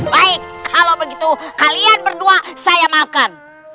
baik kalau begitu kalian berdua saya makan